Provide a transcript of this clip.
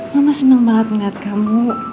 mama senang banget ngeliat kamu